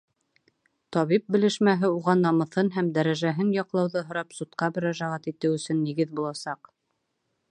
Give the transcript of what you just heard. Табип белешмәһе уға намыҫын һәм дәрәжәһен яҡлауҙы һорап судҡа мөрәжәғәт итеү өсөн нигеҙ буласаҡ.